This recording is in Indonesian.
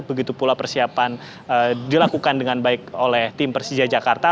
begitu pula persiapan dilakukan dengan baik oleh tim persija jakarta